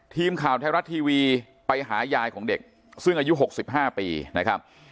ทีมข่าวไทยรัฐทีวีไปหายายของเด็กซึ่งอายุ๖๕ปีนะครับ